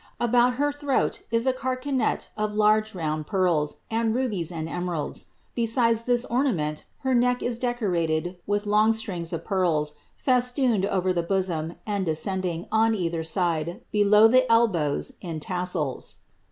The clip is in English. About her throat is a carcanet of large round pearls, and rubies, and emeralds; besides this ornament, her neck is decorated with long strings of pearls, festooned over the bosom, and descending, on either side, below the elbows, in tassels.